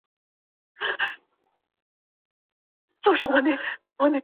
在果阿他又因负债被关押。